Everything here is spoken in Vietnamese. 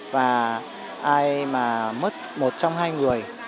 và ai mà mất một trong hai người